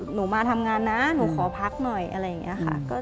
หนูมาทำงานนะหนูขอพักหน่อยอะไรอย่างนี้ค่ะ